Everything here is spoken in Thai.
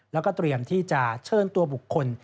แล้วก็เตรียมที่จะเชิญตัวบุคคล